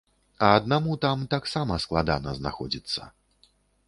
А аднаму там таксама складана знаходзіцца.